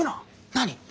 何？